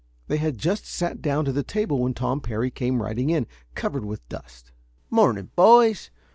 They had just sat down to the table when Tom Parry came riding in, covered with dust. "Morning, boys.